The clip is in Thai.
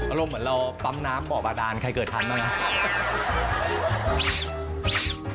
อารมณ์เหมือนเราปั๊มน้ำบ่อบาดานใครเกิดทันบ้างครับ